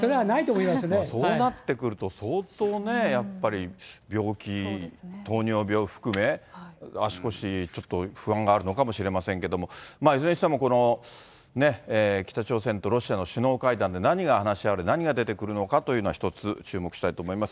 そうなってくると、相当ね、やっぱり、病気、糖尿病含め、足腰、ちょっと不安があるのかもしれませんけども、いずれにしても、北朝鮮とロシアの首脳会談で何が話し合われ、何が出てくるのかというのが一つ、注目したいと思います。